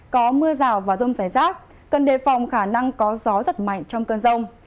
có mưa rào và rông rải rác cần đề phòng khả năng có gió giật mạnh trong cơn rông